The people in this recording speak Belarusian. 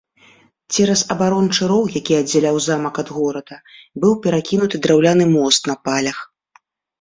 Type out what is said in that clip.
Цераз абарончы роў, які аддзяляў замак ад горада, быў перакінуты драўляны мост на палях.